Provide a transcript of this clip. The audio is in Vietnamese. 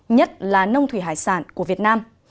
nhất là nông thủy hải sản của việt nam